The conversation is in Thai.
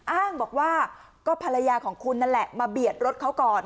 อ้างบอกว่าก็ภรรยาของคุณนั่นแหละมาเบียดรถเขาก่อน